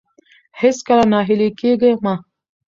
هېڅکله ناهيلي کېږئ مه.